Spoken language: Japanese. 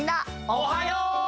おはよう！